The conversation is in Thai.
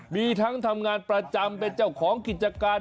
มีทั้งทำงานประจำเป็นเจ้าของกิจการ